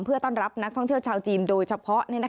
เพื่อต้อนรับนักท่องเที่ยวชาวจีนโดยเฉพาะ